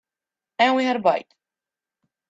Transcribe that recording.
And we had a bite.